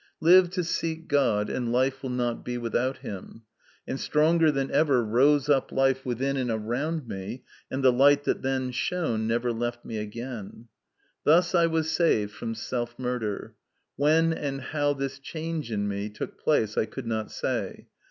Live to seek God, and life will not be without Him. And stronger than ever rose up life within and around me, and the light that then shone never left me again. Thus I was saved from self murder. When and how this change in me took place I could not say.